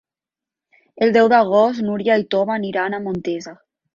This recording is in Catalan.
El deu d'agost na Núria i en Tom aniran a Montesa.